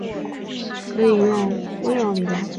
可以用微扰理论求解该近似模型。